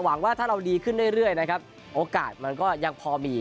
หวังว่าถ้าเราดีขึ้นเรื่อยนะครับโอกาสมันก็ยังพอมี